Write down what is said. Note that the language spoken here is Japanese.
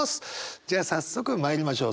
じゃあ早速まいりましょう。